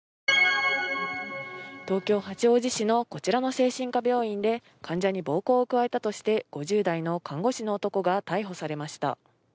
東京・八王子市のこちらの精神科病院で患者に暴行を加えたとして５０代の看護師の男が逮捕されました。